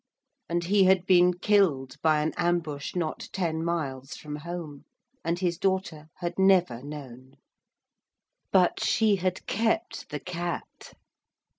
And he had been killed by an ambush not ten miles from home, and his daughter had never known. But she had kept the Cat.